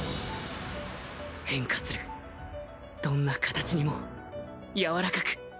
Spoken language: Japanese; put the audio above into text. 変化するどんな形にも柔らかく